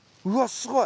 すごい。